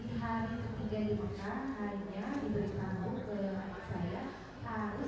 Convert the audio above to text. tidak ada bantalan ya terhadap keterangan saksi